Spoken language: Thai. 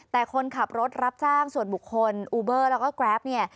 แต่คนขับรถรับจ้างส่วนบุคคลอูเบอร์และกราฟคาร์